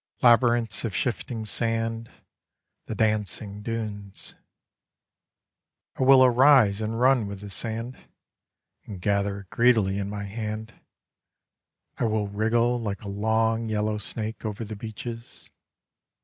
Labyrinths of shifting sand, The dancing dunes! I will arise and run with the sand, And gather it greedily in my hand: I will wriggle like a long yellow snake over the beaches.